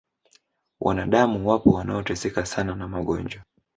wanadamu wapo wanaoteseka sana na magonjwa